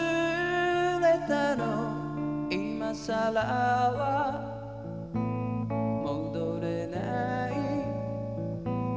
「今さらはもどれない」